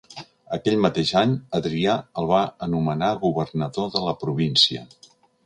Aquell mateix any, Adrià el va anomenar governador de la província.